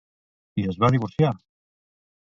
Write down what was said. I es va divorciar?